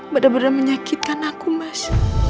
bener bener menyakitkan aku mas